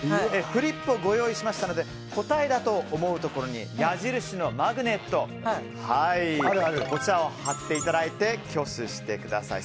フリップをご用意しましたので答えだと思うところに矢印のマグネットを貼っていただいて挙手してください。